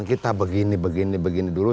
kita begini begini dulu